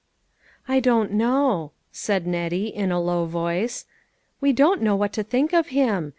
" I don't know," said Nettie, in a low voice. " We don't know what to think of him.